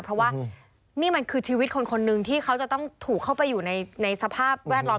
เพราะว่านี่มันคือชีวิตคนคนหนึ่งที่เขาจะต้องถูกเข้าไปอยู่ในสภาพแวดล้อม